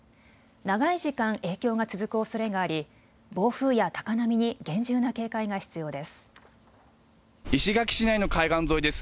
長い時間、影響が続くおそれがあり暴風や高波に厳重な警戒が必要です。